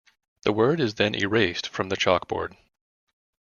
The word is then erased from the chalkboard.